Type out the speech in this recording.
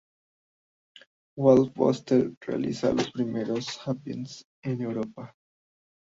Wolf Vostell realiza los primeros happenings en Europa.